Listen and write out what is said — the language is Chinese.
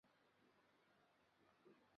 皇家阿尔伯特桥和塔马桥相邻。